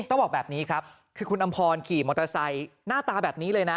ต้องบอกแบบนี้ครับคือคุณอำพรขี่มอเตอร์ไซค์หน้าตาแบบนี้เลยนะ